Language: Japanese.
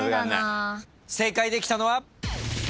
正解できたのは。